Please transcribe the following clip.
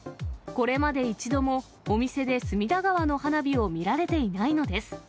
これまで一度もお店で隅田川の花火を見られていないのです。